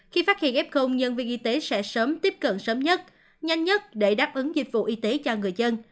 khi phát hiện f nhân viên y tế sẽ sớm tiếp cận sớm nhất nhanh nhất để đáp ứng dịch vụ y tế cho người dân